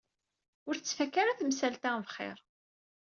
Ur tettfaka ara temsalt-a bxir.